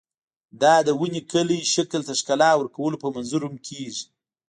دا د ونې کلي شکل ته ښکلا ورکولو په منظور هم کېږي.